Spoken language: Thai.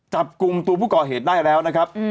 จับกลุ่มตัวผู้ก่อเหตุได้แล้วนะครับ